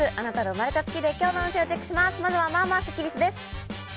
まずは、まあまあスッキりすです。